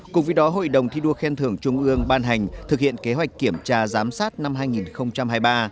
cùng với đó hội đồng thi đua khen thưởng trung ương ban hành thực hiện kế hoạch kiểm tra giám sát năm hai nghìn hai mươi ba